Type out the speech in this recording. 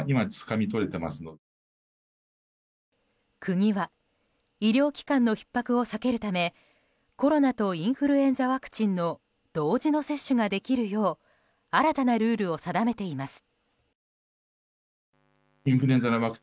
国は医療機関のひっ迫を避けるためコロナとインフルエンザワクチンの同時の接種ができるよう新たなルールを定めています。